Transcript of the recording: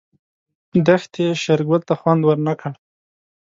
دښتې شېرګل ته خوند ورنه کړ.